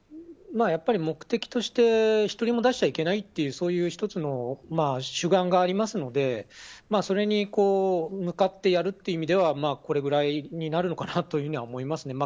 目的として１人も出しちゃいけないという１つの主眼がありますのでそれに向かってやるという意味ではこれぐらいになるのかなというふうには思います。